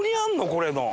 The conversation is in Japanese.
これの。